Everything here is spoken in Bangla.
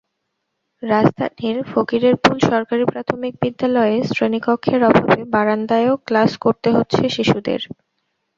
রাজধানীর ফকিরেরপুল সরকারি প্রাথমিক বিদ্যালয়ে শ্রেণীকক্ষের অভাবে বারান্দায়ও ক্লাস করতে হচ্ছে শিশুদের।